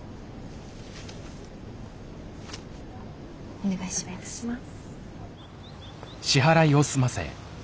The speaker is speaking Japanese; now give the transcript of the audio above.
お願いします。